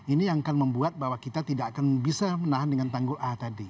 ini yang akan membuat bahwa kita tidak akan bisa menahan dengan tanggul a tadi